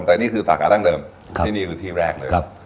แต่นี่คือสาขาดั้งเดิมที่นี่คือที่แรกเลย